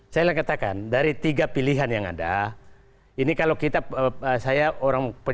saya ingin mengatakan dari tiga pilihan yang ada ini kalau kita saya orang pejabat